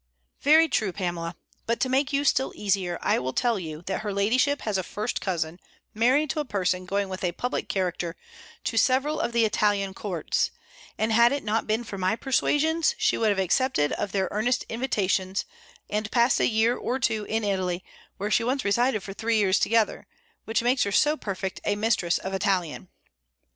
"Very true, Pamela; but to make you still easier, I will tell you that her ladyship has a first cousin married to a person going with a public character to several of the Italian courts, and, had it not been for my persuasions, she would have accepted of their earnest invitations, and passed a year or two in Italy, where she once resided for three years together, which makes her so perfect a mistress of Italian.